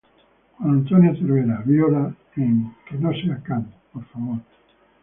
Juan Antonio Cervera: Viola en "Que no sea Kang, por favor".